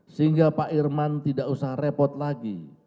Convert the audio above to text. sehingga pak irman tidak usah repot lagi